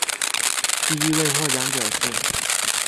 第一位获奖者是。